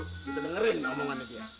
kita dengerin omongannya dia